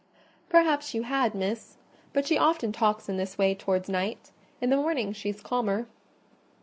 "Perhaps you had, Miss: but she often talks in this way towards night—in the morning she is calmer."